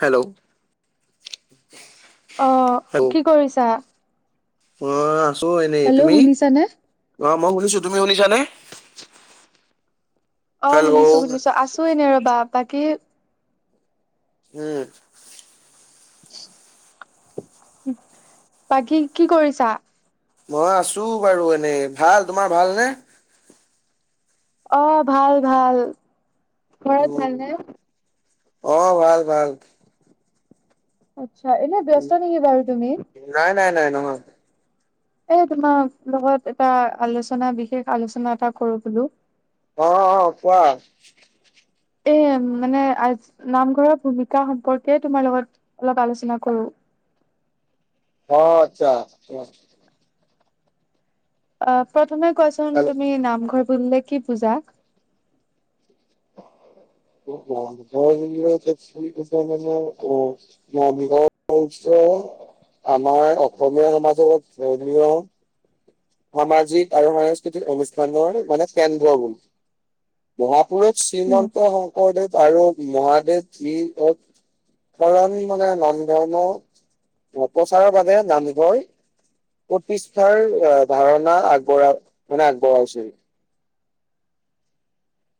Hello অ hello কি কৰিছা মই আছো এনেই হেল্ল' তুমি শুনিছানে? অ মই শুনিছো তুমি শুনিছানে অ হেল্ল' শুনিছো উম শুনিছো আছো এনে ৰবা বাকী উম বাকী কি কৰিছা মই আছো বাৰু এনেই ভাল তোমাৰ ভালনে অ ভাল ভাল ঘৰত উম ভালনে অ ভাল ভাল আতছা এনে উম, ব্যস্ত নেকি বাৰু তুমি নাই নাই নাই নহয় এ তোমাৰ লগত এটা আলোচনা বিশেষ আলোচনা এটা কৰো বোলো অ অ কোৱা এ মানে আ নামঘৰৰ ভূমিকা সম্পৰ্কে তোমাৰ লগত অলপ আলোচনা কৰো অ আতছা অ প্ৰথমে কোৱাচোন হেল্ল' তুমি নামঘৰ বুলিলে কি বুজা [unintelligible] নামঘৰ হৈছে আমাৰ অসমীয়া সমাজৰ ধৰ্মীয় সামাজিক আৰু সাংস্কৃতিক অনুষ্ঠানৰ মানে কেন্দ্ৰ [unintelligible] মহাপুৰুষ উম শ্ৰীমন্ত শংকৰদেৱ আৰু মহাদেৱ [unintelligible] কাৰণ মানে নাম ধৰ্ম প্ৰচাৰৰ বাবে নামঘৰ প্ৰতিষ্ঠাৰ ধাৰণা আগবঢ়া মানে আগবঢ়াইছিল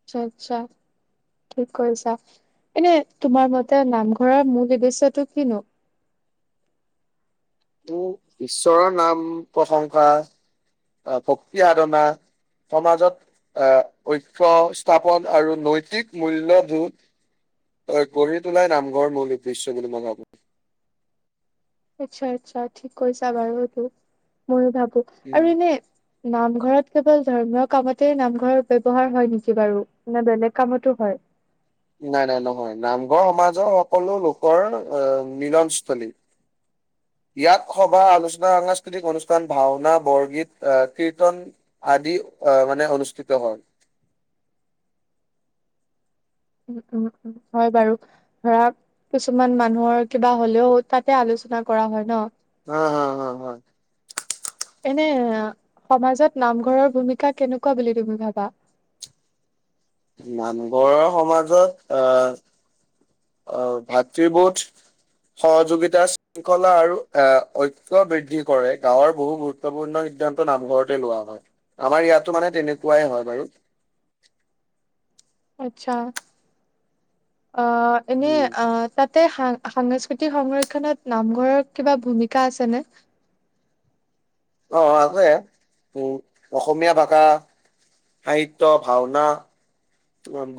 আচ্ছা আচ্ছা ঠিক কৈছা এনে তোমাৰ মতে নামঘৰৰ মূল উদ্দেশ্যটো কিনো ঈশ্বৰৰ নাম প্ৰশংসা ভক্তি সাধনা সমাজত এ ঐক্য স্থাপন আৰু নৈতিক মূল্যবোধ অ গঢ়ি তোলাই নামঘৰ মূল উদ্দেশ্য বুলি মই ভাবো আচ্ছা আচ্ছা ঠিক কৈছা বাৰু এইটো মইয়ো ভাবো উম, আৰু এনে নামঘৰত কেৱল ধৰ্মীয় কামতেই নামঘৰ ব্যৱহাৰ হয় নেকি বাৰু নে বেলেগ কামতো হয় নাই নাই নহয় নামঘৰ সমাজৰ সকলো লোকৰ মিলনস্থলী ইয়াত সভা আলোচনা সাংস্কৃতিক অনুষ্ঠান ভাওনা বৰগীত কীৰ্ত্তন আদি অ মানে অনুষ্ঠিত হয় উম উম উম হয় বাৰু ধৰা কিছুমান মানুহৰ কিবা হলেও তাতে আলোচনা কৰা হয় ন [unintelligible] হয় এনে সমাজত নামঘৰৰ ভূমিকা কেনেকুৱা বুলি তুমি ভাবা নানঘৰৰ সমাজত অ অ ভাতৃবোধ সহযোগিতা শৃংখলা আৰু এ ঐক্য বৃদ্ধি কৰে গাঁৱৰ বহু গুৰুত্বপূৰ্ণ সিদ্ধান্ত নামঘৰতে লোৱা হয় আমাৰ ইয়াতো মানে তেনেকুৱাই হয় বাৰু আচ্ছা আহ এনে উম আ তাতে সা সাংস্কৃতিক সংৰক্ষণত নামঘৰৰ কিবা ভূমিকা আছেনে অ আছে অসমীয়া ভাষা সাহিত্য ভাওনা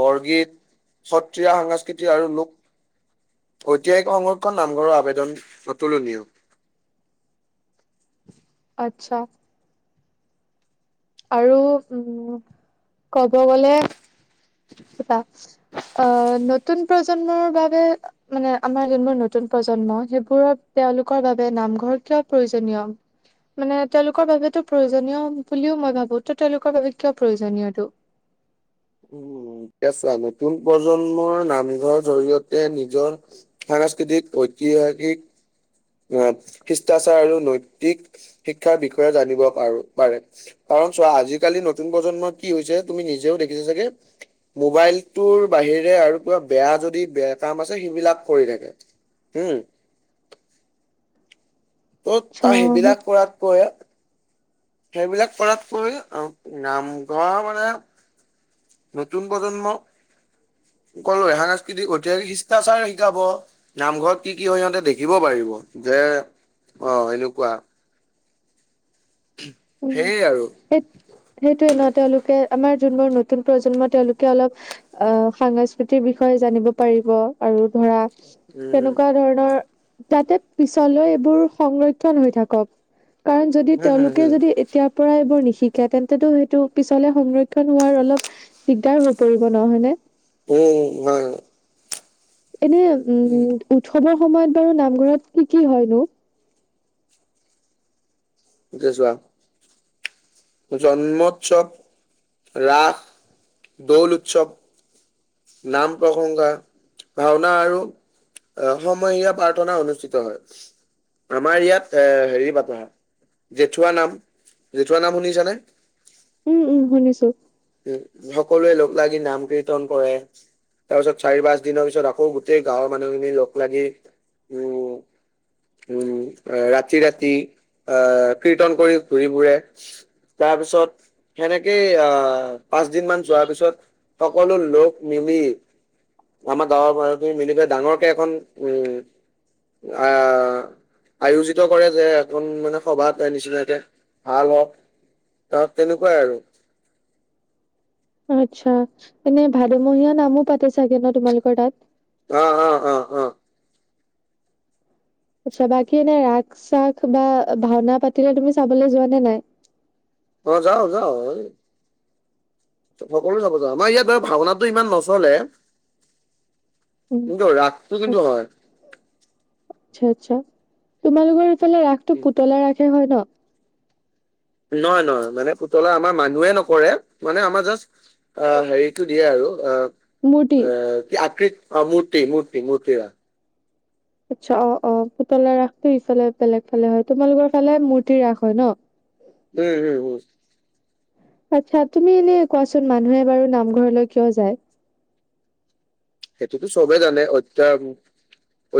বৰগীত সত্ৰীয়া সাংস্কৃতি আৰু লোক ঐতিহাসিক সংৰক্ষণ নামঘৰৰ আবেদন অতুলনীয় আচ্ছা আৰু উম ক'ব গ'লে কিবা আ নতুন প্ৰজন্মৰ বাবে মানে আমাৰ যোনবোৰ নতুন প্ৰজন্ম সেইবোৰত তেওঁলোকৰ বাবে নামঘৰ কিয় প্ৰয়োজনীয় মানে তেওঁলোকৰ বাবেতো প্ৰয়োজনীয় বুলিও মই ভাবো ত তেওঁলোকৰ বাবে কিয় প্ৰয়োজনীয় এইটো উম এতিয়া ছা নতুন প্ৰজন্মৰ নামঘৰ জৰিয়তে নিজৰ সাংস্কৃতিক ঐতিহাসিক শিষ্টাচাৰ আৰু নৈতিক শিক্ষাৰ বিষয়ে জানিব পাৰো পাৰে কাৰণ চোৱা আজিকালি নতুন প্ৰজন্মৰ কি হৈছে তুমি নিজেও দেখিছা চাগে মোবাইলটোৰ বাহিৰে আৰু কিবা বেয়া যদি বেয়া কাম আছে সেইবিলাক কৰি থাকে হম ত' তাৰ চাওহে সেইবিলাক কৰাতকৈ সেইবিলাক কৰাতকৈ আৰু নামঘৰ মানে নতুন প্ৰজন্ম কলোৱে সাংস্কৃতিক ঐতিহাসিক শিকষ্টাচাৰ শিকাব নামঘৰত কি কি হয় সিহঁতে দেখিব পাৰিব যে অ এনেকুৱা উম সে আৰু সেই সেইটোয়ে ন তেওঁলোকে আমাৰ যোনবোৰ নতুন প্ৰজন্ম তেওঁলোকে অলপ আ সংস্কৃতিৰ বিষয়ে জানিব পাৰিব আৰু ধৰা উম তেনেকুৱা ধৰণৰ যাতে পিছলৈ এইবোৰ সংৰক্ষন হৈ থাকক কাৰণ যদি হম হম তেওঁলোক হম এতিয়াৰ পৰাই এইবোৰ নিশিকে তেন্তেতো সেইটো পিছলে সংৰক্ষণ হোৱাৰ অলপ দিগদাৰ হৈ পৰিব নহয় নে উম না এনে উম উৎসৱৰ সময়ত বাৰু নামঘৰত কি কি হয় নো যোৱা জন্ম উৎসৱ ৰাস দৌল উৎসৱ নাম প্ৰসংগা ভাওনা আৰু আ সমহীয়া প্ৰাৰ্থনা অনুষ্ঠিত হয় আমাৰ ইয়াত এ হেৰি পাতা হয় জেঠুৱা নাম জেঠুৱা নাম শুনিছানে উম উম শুনিছো উম সকলোৱে লগ লাগি নাম কীৰ্তন কৰে তাৰ পিছত চাৰি পাঁচ দিনৰ পিছত আকৌ গোটেই গাঁৱৰ মানুহখিনি লগ লাগি উম উম ৰাতি ৰাতি আ কীৰ্তন কৰি ঘূৰিবোৰে তাৰ পিছত সেনেকেই আ পাঁচ দিনমান যোৱাৰ পিছত সকলো লোক মিলি আমাৰ গাঁৱৰ মানুহখিনি মিলি কৰি ডাঙৰকে এখন উম আ আয়োজিত কৰে যে এখন মানে সভাত নিচিনাকে ভাল হওঁক তাত তেনেকুৱাই আৰু আচ্ছা এনে ভাদ মহীয়া নামো পাতে চাগে ন তোমালোকৰ তাত অ অ অ অ আচ্ছা বাকী এনে ৰাস চাস বা ভাওনা পাতিলে তুমি চাবলে যোৱা নে নাই অ' যাওঁ যাওঁ, এ সকলোৱে চাব যাওঁ। আমাৰ ইয়াত বাৰু ভাওঁনাটো ইমান নচলে। উম কিন্তু ৰাসটো [unintelligible] কিন্তু হয়। আচ্ছা আচ্ছা। তোমালোকৰ এইফালে ৰাসটো পুতলা ৰাসে হয় ন'? নহয় নহয়, মানে পুতলা আমাৰ মানুহে নকৰে মানে আমাৰ জাছ আ, হেৰিটো দিয়ে আৰু আ এ, [unintelligible] কি আকৃত, অ' মূৰ্তি, মূৰ্তি, মূৰ্তি, অ'। আচ্ছা অ', অ' পুতলা ৰাসটো ইফালে বেলেগ ফালে হয়, তোমালোকৰ ফালে মূৰ্তি ৰাস হয় ন'? উ, উ, উ। আচ্ছা, তুমি এনে কোৱাচোন মানুহে বাৰু নামঘৰলৈ কিয় যায়? সেইটোতো চবেই জানে, অধ্যায়ন,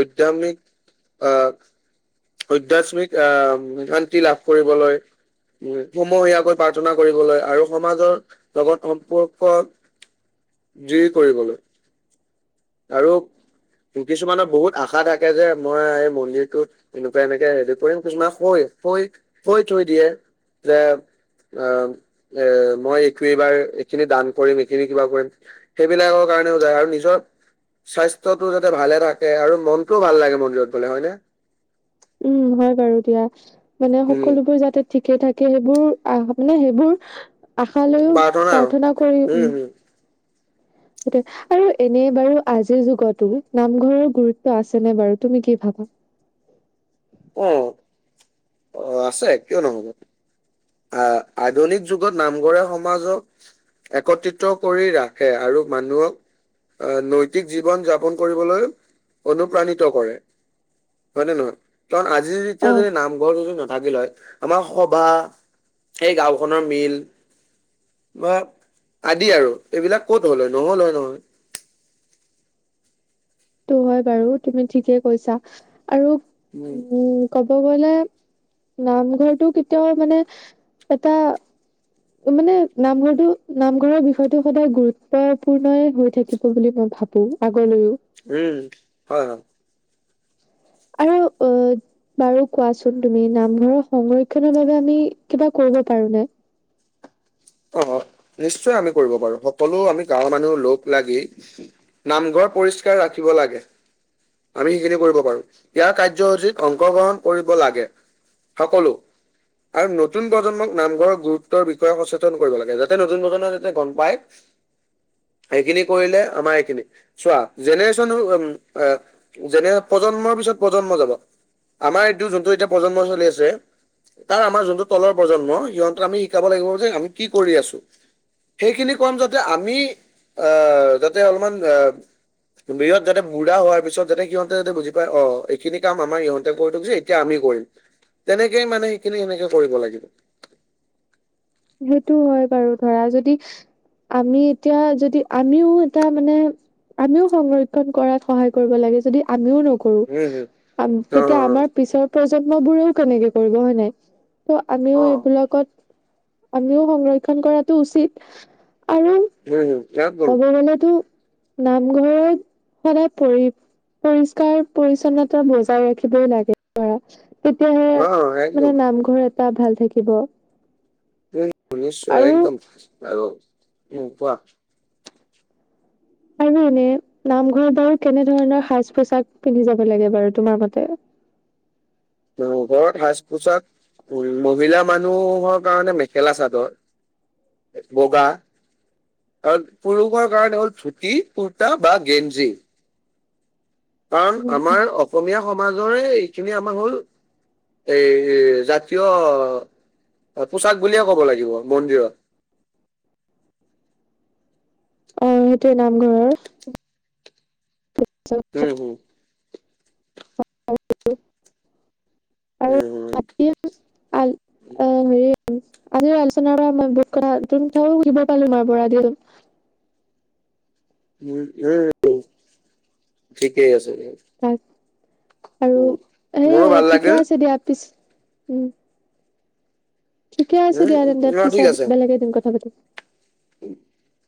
অধ্যায়ামিক আ অধ্যায়াত্মিক আ, শান্তি লাভ কৰিবলৈ। সমহীয়াকৈ প্ৰাৰ্থনা কৰিবলৈ আৰু সমাজৰ লগত সম্পৰ্ক যি কৰিবলৈ। আৰু কিছুমানৰ বহুত আশা থাকে যে মই এই মন্দিৰটোত এনেকুৱা এনেকে হেৰি কৰিম, কিছুমান শৈ শৈ শৈ থৈ দিয়ে যে আ, এ, মই এই এইবাৰ এইখিনি দান কৰিম, এইখিনি কিবা কৰিম। সেইবিলাকৰ কাৰণেও যায় আৰু নিজৰ স্বাস্থ্যটো যাতে ভালে থাকে আৰু মনটোও ভাল লাগে মন্দিৰত গ'লে হয়নে? উম, হয় বাৰু দিয়া। মানে উম সকলোবোৰ যাতে ঠিকে থাকে সেইবোৰ আ, মানে সেইবোৰ আশা লৈও প্ৰাৰ্থনা কৰি উ উম হম সেইটো আৰু এনে বাৰু আজিৰ যুগতো নামঘৰৰ গুৰুত্ব আছেনে বাৰু তুমি কি ভাবা? অ', অ' আছে, কিয় নহ'ব। আ, আধুনিক যুগত নামঘৰে সমাজক একত্ৰিত কৰি ৰাখে আৰু মানুহক আ, নৈতিক জীৱন যাপন কৰিবলৈ অনুপ্ৰাণিত কৰে। হয় নে নহয় কাৰণ আজি যেতিয়া অ যদি নামঘৰ যদি নাথাকিল হয় আমাৰ সভা, সেই গাঁওখনৰ মিল বা আদি আৰু এইবিলাক ক'ত হ'লে হয়, নহ'লে নহয়। টো হয় বাৰু তুমি ঠিকে কৈছা, আৰু উম আৰু ক'ব গ'লে নামঘৰটো কেতিয়াও মানে এটা মানে নামঘৰটো নামঘৰৰ বিষয়টো সদায় গুৰুত্বপূৰ্ণই হৈ থাকিব বুলি মই ভাব বো আগলৈও। এ, হয় হয়। আৰু অ [inaudible] বাৰু কোৱাচোন তুমি নামঘৰৰ সংৰক্ষনৰৰ বাবে আমি কিবা কৰিব পাৰোঁ নাই? অ', অ' নিশ্চয় আমি কৰিব পাৰোঁ, সকলো আমি গাঁওৰ মানুহ লগ লাগি নামঘৰ পৰিষ্কাৰ ৰাখিব লাগে। আমি সেইখিনি কৰিব পাৰোঁ, ইয়াৰ কাৰ্যসূচীত অংশগ্ৰহণ কৰিব লাগে। সকলো আৰু নতুন প্ৰজন্মক নামঘৰৰ গুৰুত্বৰ বিষয়ে সচে তন কৰিব লাগে, যাতে নতুন নতুন প্ৰজন্মই যাতে গম পায় সেইখিনি কৰিলে আমাৰ এইখিনি, চোৱা জেনেৰেশ্যন [unintelligible] যেনে প্ৰজন্মৰ পিছত প্ৰজন্ম যাব, আমাৰ এইটো যোনটো এতিয়া প্ৰজন্ম চলি আছে তাৰ আমাৰ যোনটো তলৰ প্ৰজন্ম সিহঁতক আমি শিকাব লাগিব যে আমি কি কৰি আছোঁ। সেইখিনি কম যাতে আমি যাতে অলপমান বয়স যাতে বুঢ়া হোৱাৰ পিছত যাতে সিহতে যতে বুজি পাই অ এইখিনি কাম আমাৰ ইহঁতে পোৱাটো উচিত এতিয়া আমি কৰিম, তেনেকেই মানে সেইখিনি সেনেকে কৰিব লাগিব সেইটো হয় বাৰু ধৰা যদি আমি এতিয়া যদি আমিও এটা মানে আমিও সংৰক্ষণ কৰাত সহায় কৰিব লাগে যদি আমিও ন কৰোঁ উম তেতিয়া হম আমাৰ পিছৰ প্ৰজন্ম বোৰেও কেনেকে কৰিব হয় নাই ত' অ আমিও অ অ এইবিলাকত আমিও সংৰক্ষন কৰাটো উচিত আৰু উম একদম ক'ব গলেতো নামঘৰত সদায় পৰি পৰিষ্কাৰ-পৰিচ্ছন্নতা বজাই ৰাখিবই লাগে ধৰা তেতিয়াহে অ একদম মানে নামঘৰ এটা ভাল থাকিব শুনিছোঁ এ আৰু একদম আৰু উম কোৱা আৰু এনে নামঘৰত বাৰু কেনেধৰণৰ সাজ- পোছাক পিন্ধি যাব লাগে বাৰু তোমাৰ মতে? নাম ঘৰত সাজ-পোছাক মহিলা মানুহৰ কাৰণে মেখেলা-চাদৰ বগা আৰু পুৰুষৰ কাৰণে হ'ল ধুতি, কুুৰ্তা বা গেঞ্জি কাৰণ উম আমাৰ অসমীয়া সমাজৰে এইখিনি আমাৰ হ'ল এই জাতীয় পোচাক বুলিয়ে ক'ব লাগিব মন্দিৰত অ সেইটোৱে নামঘৰৰ উম, হম, উম, [unintelligible] আজিৰ আলোচনাৰ পৰা মই বহুত কথা কিন্তু শিকিব পালো তোমাৰ পৰা দেই [unintelligible] ঠিকেই আছে দে। আৰু মোৰো সেয়াই ভাল ঠিকে লাগিল আছে দিয়া পিছ উম ঠিকে আছে উম, দিয়া তেন্তে উম, অ' ঠিক পিছত আছে বেলেগে এদিন কথা পাতিম। [unintelligible]